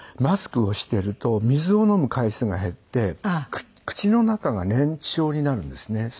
マスクをしてると水を飲む回数が減って口の中が粘稠になるんですね。